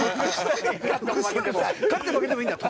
勝っても負けてもいいんだよ。